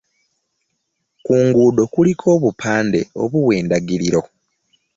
Ku nguudo kuliko obupande obuwa endagiriro.